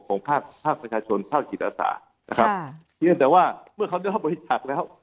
ของภาคประชาชนภาคกิจอาสานะครับแต่ว่าเมื่อเขาได้บริจาคแล้ว